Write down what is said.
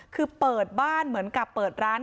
คือเปิดบ้านเหมือนกับเปิดร้าน